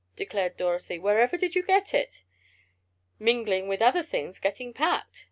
declared Dorothy. "Wherever did you get it?" "Mingling with other things getting packed!"